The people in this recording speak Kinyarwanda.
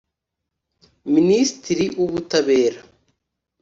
Minisitiri w’Ubutabera